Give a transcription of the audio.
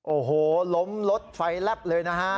โอ้โหล้มรถไฟแลบเลยนะฮะ